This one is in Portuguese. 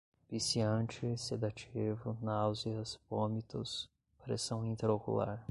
viciante, sedativo, náuseas, vômitos, pressão intra-ocular